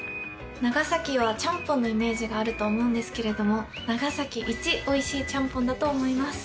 長崎はちゃんぽんのイメージがあると思うんですけれども、長崎一おいしいちゃんぽんだと思います。